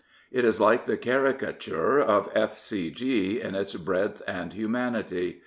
It is like the caricature of " F. C. G.*' in its breadth and humanity.